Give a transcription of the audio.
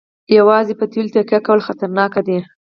یوازې په تیلو تکیه کول خطرناک دي.